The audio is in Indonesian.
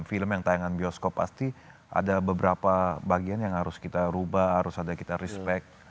film yang tayangan bioskop pasti ada beberapa bagian yang harus kita rubah harus ada kita respect